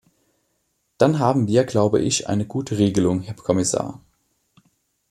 Dann haben wir, glaube ich, eine gute Regelung, Herr Kommissar.